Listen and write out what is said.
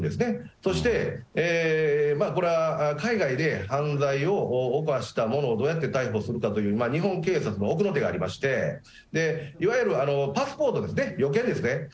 そしてこれは海外で犯罪を犯した者をどうやって逮捕するかという、日本警察の奥の手がありまして、いわゆるパスポートですね、旅券ですね。